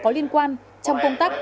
có liên quan trong công tác